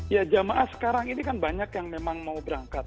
ya jamaah sekarang ini kan banyak yang memang mau berangkat